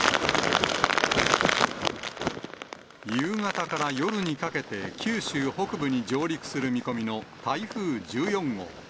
夕方から夜にかけて、九州北部に上陸する見込みの台風１４号。